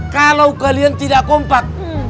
kalau kalian tidak kompak